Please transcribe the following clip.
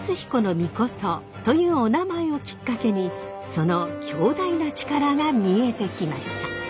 命というおなまえをきっかけにその強大な力が見えてきました。